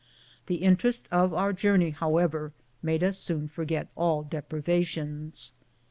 The interest of our journey, however, made us soon forget all deprivations.